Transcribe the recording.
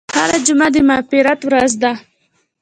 هره جمعه د مغفرت ورځ ده.